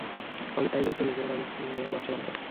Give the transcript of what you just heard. ফলে তাঈ গোত্রের লোকেরা তাকে তাদের বাদশাহ বানাল।